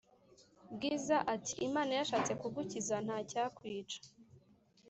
bwiza ati"imana yashatse kugukiza ntacyakwica"